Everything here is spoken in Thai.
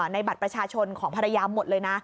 ในบัตรประชาชนของภรรยาหมดเลยนะ